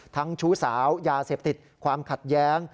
ชู้สาวยาเสพติดความขัดแย้ง